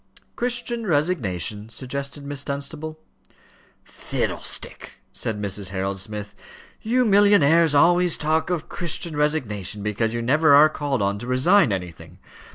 "Christian resignation," suggested Miss Dunstable. "Fiddlestick!" said Mrs. Harold Smith. "You millionnaires always talk of Christian resignation, because you never are called on to resign anything.